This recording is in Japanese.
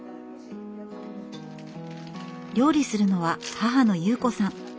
料理するのは母の裕子さん。